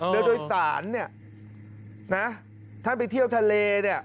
เรือโดยสารนี่ท่านไปเที่ยวทะเล